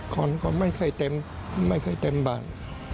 ก่อนก็ไม่เคยเต็มบ้าน